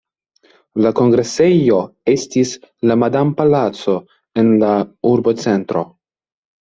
La kongresejo estis la Madam-palaco en la urbocentro.